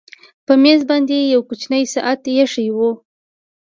په مېز باندې یو کوچنی ساعت ایښی و